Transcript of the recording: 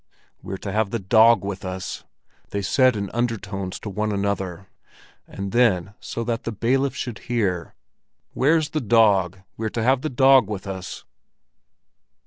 "We're to have the dog with us!" they said in undertones to one another, and then, so that the bailiff should hear: "Where's the dog? We're to have the dog with us."